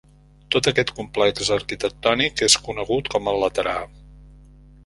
Tot aquest complex arquitectònic és conegut com el Laterà.